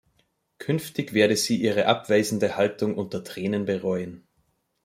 Künftig werde sie ihre abweisende Haltung unter Tränen bereuen.